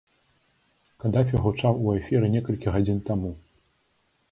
Кадафі гучаў у эфіры некалькі гадзін таму.